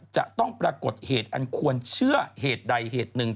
จะต้องปรากฏเหตุอันควรเชื่อเหตุใดเหตุหนึ่ง